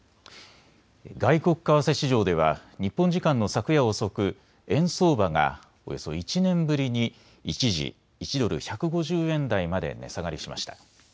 外国為替市場では日本時間の昨夜遅く円相場がおよそ１年ぶりに一時、１ドル１５０円台まで値下がりしました。